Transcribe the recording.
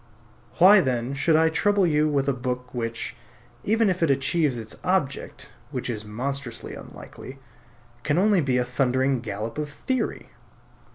Why then should I trouble you with a book which, even if it achieves its object (which is monstrously unlikely) can only be a thundering gallop of theory?